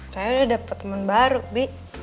saya udah dapet temen baru b